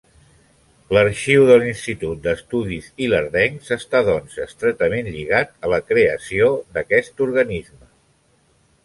L'Arxiu de l'Institut d'Estudis Ilerdencs està doncs, estretament lligat a la creació d'aquest organisme.